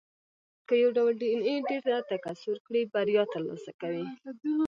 که یو ډول ډېایناې ډېره تکثر کړي، بریا ترلاسه کوي.